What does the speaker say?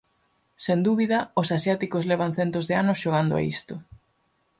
Sen dúbida, os asiáticos levan centos de anos xogando a isto.